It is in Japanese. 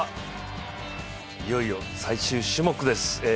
いよいよ最終種目です。